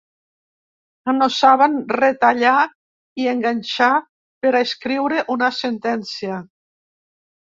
Que no saben retallar i enganxar per a escriure una sentència.